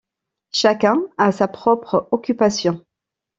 Chacun à sa propre occupation.